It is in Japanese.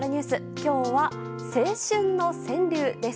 今日は青春の川柳です。